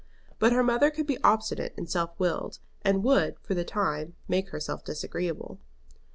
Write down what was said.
But her mother could be obstinate and self willed, and would for the time make herself disagreeable.